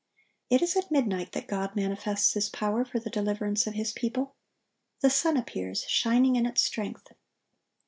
It is at midnight that God manifests His power for the deliverance of His people. The sun appears, shining in its strength.